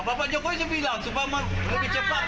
bapak jokowi sudah bilang supaya lebih cepat pulang